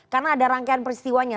karena ada rangkaian peristiwanya